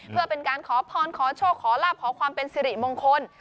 เพื่อเป็นการขอพรขอโชคขอลาบขอความเป็นสิริมงคล